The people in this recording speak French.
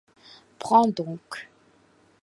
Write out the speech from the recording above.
Prends donc!